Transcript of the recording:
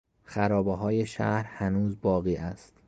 خرابههای شهر هنوز باقی است.